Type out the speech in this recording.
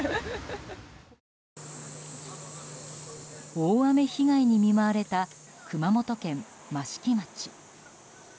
大雨被害に見舞われた熊本県益城町。